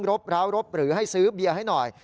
ร้าวรบหรือให้ซื้อเบียร์ให้หน่อย